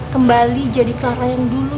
kembali jadi kela yang dulu